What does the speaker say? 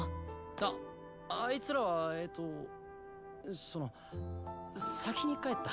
アアイツらはえっとその先に帰った。